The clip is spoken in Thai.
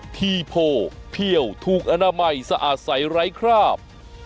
ทีโพเพี่ยวถูกอนามัยสะอาดใสไร้คราบ